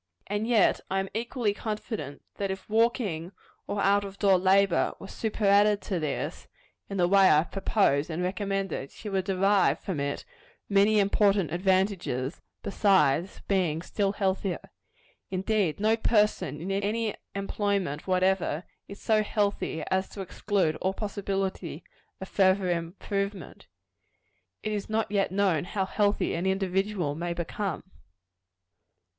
And yet I am equally confident, that if walking, or out of door labor, were superadded to this, in the way I have proposed and recommended, she would derive from it many important advantages, besides being still healthier. Indeed, no person, in any employment whatever, is so healthy as to exclude all possibility of further improvement. It is not yet known how healthy an individual may become.